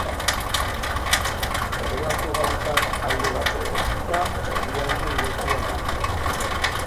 Horrelako gauzak alde batera utzita, herrialde irekia da.